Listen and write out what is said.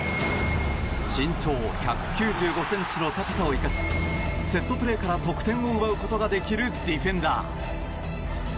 身長１９５ｃｍの高さを生かしセットプレーから得点を奪うことができるディフェンダー。